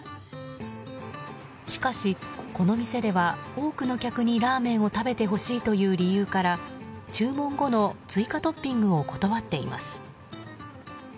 しかし、この店では多くの客にラーメンを食べてほしいという理由から注文後の追加トッピングを断っています。